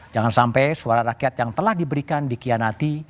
jangan sampai suara rakyat yang telah diberikan dikianati